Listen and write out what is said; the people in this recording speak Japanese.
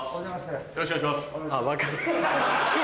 よろしくお願いします。